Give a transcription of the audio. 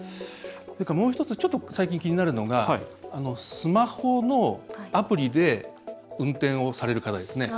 もう１つ、最近、気になるのがスマホのアプリで運転をされる方ですね。